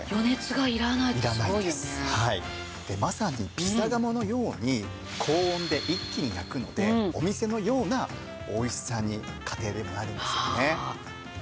でまさにピザ窯のように高温で一気に焼くのでお店のようなおいしさに家庭でもなるんですよね。